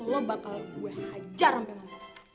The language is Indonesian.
lo bakal gue hajar sampe mati